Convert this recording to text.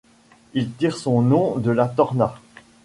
Il tire son nom de la Torna.